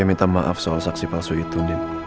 saya minta maaf soal saksi palsu itu